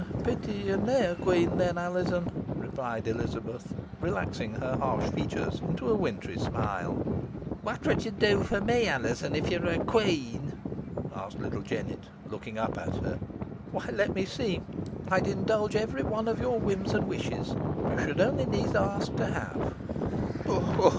"Pity yo're nah a queen then, Alizon," replied Elizabeth, relaxing her harsh features into a wintry smile. "Whot would ye do fo me, Alizon, if ye were a queen?" asked little Jennet, looking up at her. "Why, let me see," was the reply; "I'd indulge every one of your whims and wishes. You should only need ask to have."